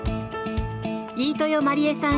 飯豊まりえさん